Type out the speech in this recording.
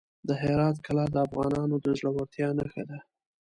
د هرات کلا د افغانانو د زړورتیا نښه ده.